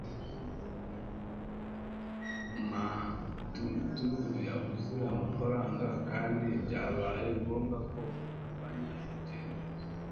Maturuturu yabuze amafaranga kandi byabaye ngombwa ko agabanya urugendo rwe.